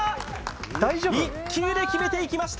１球で決めていきました